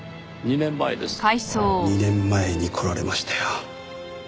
２年前に来られましたよ。